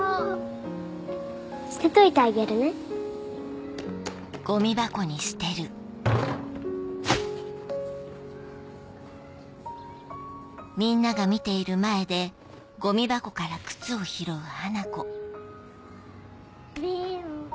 捨てといてあげるね貧乏！